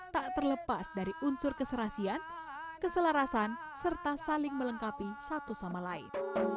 tak terlepas dari unsur keserasian keselarasan serta saling melengkapi satu sama lain